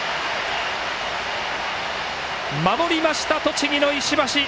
守りました、栃木の石橋！